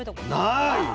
ない。